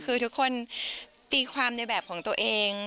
คือทุกคนตีความในแบบของตัวเอง